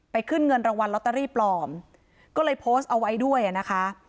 ขึ้นเงินรางวัลลอตเตอรี่ปลอมก็เลยโพสต์เอาไว้ด้วยอ่ะนะคะ